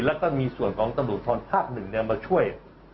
แล้วก็มีส่วนของตำรวจทรภาค๑มาช่วย